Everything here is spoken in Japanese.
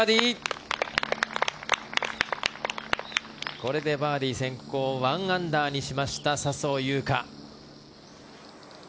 これでバーディー先行１アンダーにしました笹生優花。